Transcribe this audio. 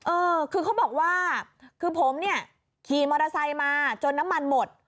เออคือเขาบอกว่าคือผมเนี่ยขี่มอเตอร์ไซค์มาจนน้ำมันหมด